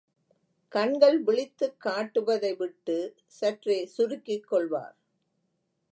கண்கள் விழித்துக்காட்டுவதைவிட்டு, சற்றே சுருக்கிக்கொள்வார்!